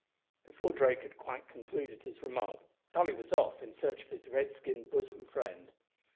Before Drake had quite concluded his remark Tolly was off in search of his red skinned bosom friend.